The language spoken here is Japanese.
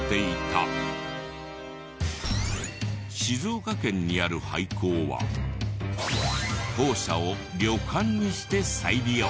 静岡県にある廃校は校舎を旅館にして再利用。